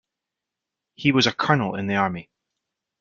He was a Colonel in the Army.